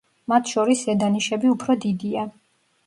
მათ შორის ზედა ნიშები უფრო დიდია.